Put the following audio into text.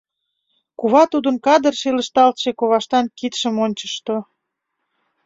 Кува тудын кадыр шелышталтше коваштан кидшым ончышто.